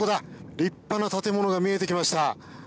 立派な建物が見えてきました。